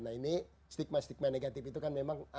nah ini stigma stigma negatif itu kan memang